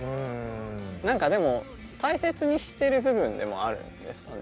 何かでも大切にしてる部分でもあるんですかね？